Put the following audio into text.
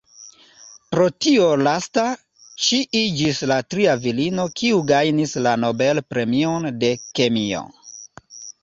Pro tio lasta ŝi iĝis la tria virino kiu gajnis la Nobel-premion de kemio.